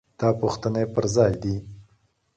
دا پوښتنې پر ځای دي.